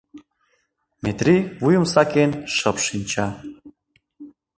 Метрий, вуйым сакен, шып шинча.